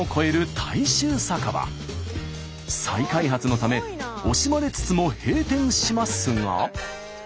再開発のため惜しまれつつも閉店しますが。